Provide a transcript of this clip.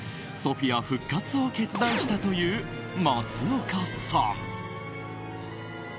ＳＯＰＨＩＡ復活を決断したという松岡さん。